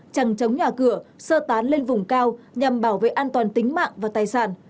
chẳng chống nhà cửa sơ tán lên vùng cao nhằm bảo vệ an toàn tính mạng và tài sản